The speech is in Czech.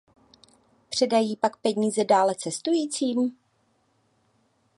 Předají pak peníze dále cestujícím?